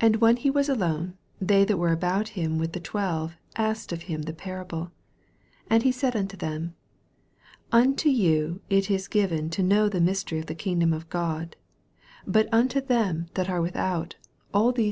10 And when he was alone, they that were about him with the twelve asked of him the parable. 11 And he said unto them, Unto you it is given to know the rr ystery of the kingdom of God : bi unto them that are without, all ihett.